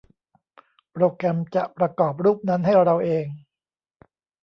โปรแกรมจะประกอบรูปนั้นให้เราเอง !